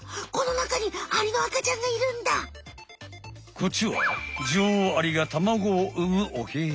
こっちは女王アリが卵をうむおへや。